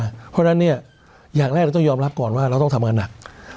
เพราะฉะนั้นเนี่ยอย่างแรกเราต้องยอมรับก่อนว่าเราต้องทำงานหนัก